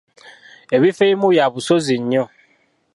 Ebifo ebimu bya busozi nnyo.